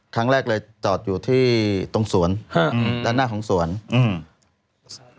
ครั้งแรกเลยจอดอยู่ที่ตรงสวนฮะอืมด้านหน้าของสวนอืม